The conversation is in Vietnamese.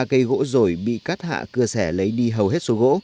một mươi ba cây gỗ rổi bị cắt hạ cưa xẻ lấy đi hầu hết số gỗ